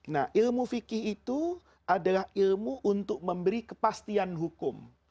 nah ilmu fikih itu adalah ilmu untuk memberi kepastian hukum